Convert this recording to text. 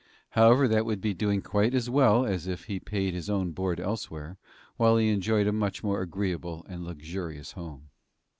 However, that would be doing quite as well as if he paid his own board elsewhere, while he enjoyed a much more agreeable and luxurious home.